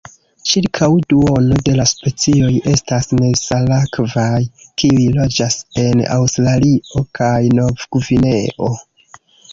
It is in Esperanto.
Ĉirkaŭ duono de la specioj estas nesalakvaj, kiuj loĝas en Aŭstralio kaj Novgvineo.